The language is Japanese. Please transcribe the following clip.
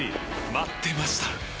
待ってました！